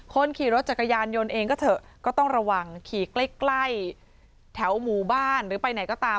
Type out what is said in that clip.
คนขี่รถจักรยานยนต์เองก็เถอะก็ต้องระวังขี่ใกล้แถวหมู่บ้านหรือไปไหนก็ตาม